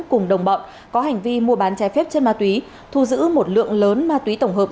cùng đồng bọn có hành vi mua bán trái phép chất ma túy thu giữ một lượng lớn ma túy tổng hợp